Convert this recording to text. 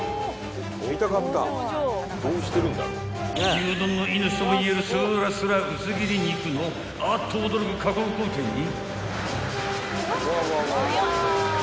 ［牛丼の命ともいえるすらすら薄切り肉のあっと驚く加工工程に］